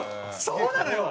そうなのよ！